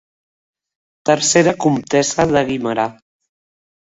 Tercera comtessa de Guimerà.